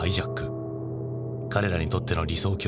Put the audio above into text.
彼らにとっての理想郷